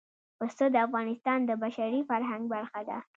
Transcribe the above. پسه د افغانستان د بشري فرهنګ برخه ده.